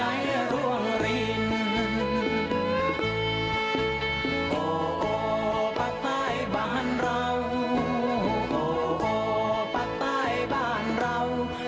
อยากไปไหนอยากกลับตายบ้านเรา